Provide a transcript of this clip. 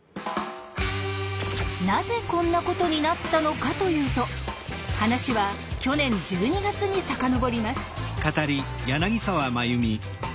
なぜこんなことになったのかというと話は去年１２月に遡ります。